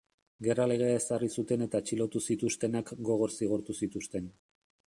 Gerra legea ezarri zuten eta atxilotu zituztenak gogor zigortu zituzten.